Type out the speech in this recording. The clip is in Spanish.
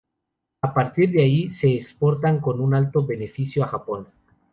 A partir de ahí se exportan con un alto beneficio a Japón.